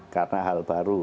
karena hal baru